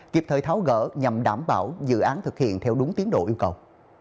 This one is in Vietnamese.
kịp thời tháo gỡ nhằm đảm bảo dự án thực hiện theo đúng tiến độ yêu cầu